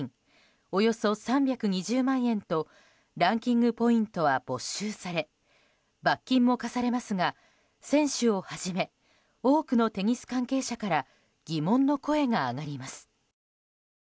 およそ３２０万円とランキングポイントは没収され罰金も科されますが選手をはじめ多くのテニス関係者から疑問の声が上がります。